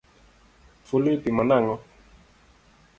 Fulu ipimo nang’o?